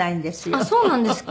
あっそうなんですか。